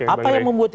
apa yang membuat itu